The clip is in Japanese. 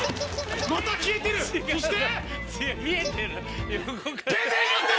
また消えてるそして。